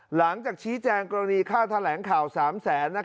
หลังจากชี้แจงกรณีค่าแถลงข่าว๓แสน